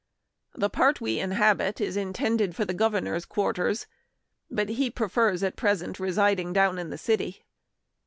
The part we inhabit is intended for the Governor's quarters ; but he prefers at present residing down in the city.